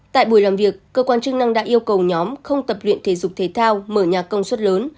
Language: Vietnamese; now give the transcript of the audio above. tại buổi làm việc cơ quan chức năng đã yêu cầu nhóm không tập luyện thể dục thể thao mở nhà công suất lớn